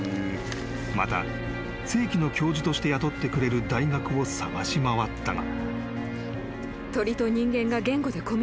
［また正規の教授として雇ってくれる大学を探し回ったが］